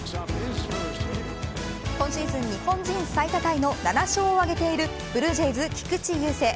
今シーズン日本人最多タイの７勝を挙げているブルージェイズ菊池雄星。